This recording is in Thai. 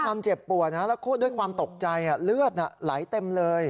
ความเจ็บปวดนะแล้วด้วยความตกใจเลือดไหลเต็มเลย